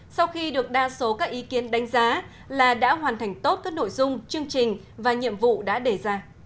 sau khi được đa số các ý kiến đánh giá là đã hoàn thành tốt các nội dung chương trình và nhiệm vụ đã đề ra